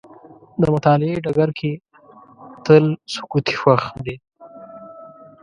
د مطالعې ډګر کې تل سکوت خوښ دی.